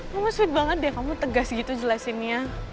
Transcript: mama sweet banget deh kamu tegas gitu jelasinnya